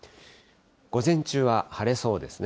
午前中は晴れそうですね。